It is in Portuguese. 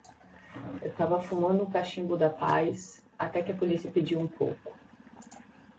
Eu tava fumando um cachimbo da paz até que o polícia pediu um pouco